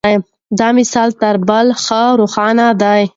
دا مثال تر بل ښه روښانه دی.